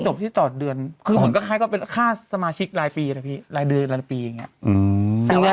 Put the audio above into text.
จบที่ต่อเดือนคือเหมือนกับค่าสมาชิกรายปีรายเดือนรายปีอย่างนี้